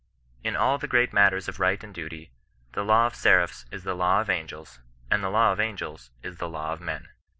In all the great matters of right and duty, the law of seraphs is the law of angels, and the law of angels is the law of men.